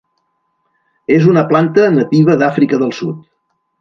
És una planta nativa d'Àfrica del Sud.